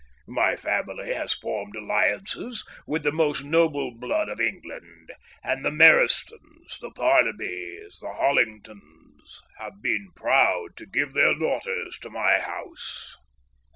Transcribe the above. My family has formed alliances with the most noble blood of England, and the Merestons, the Parnabys, the Hollingtons, have been proud to give their daughters to my house."